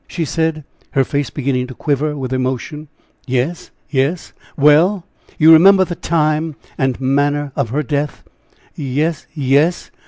she said, her face beginning to quiver with emotion. "Yes! yes! well?" "You remember the time and manner of her death?" "Yes yes!"